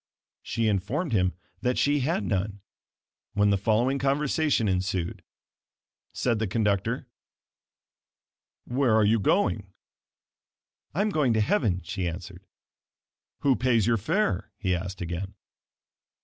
She informed him that she had none, when the following conversation ensued. Said the conductor: "Where are you going?" "I am going to heaven," she answered. "Who pays your fare?" he asked again.